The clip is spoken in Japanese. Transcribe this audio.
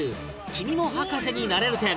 「君も博士になれる展」